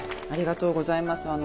ありがとうございます。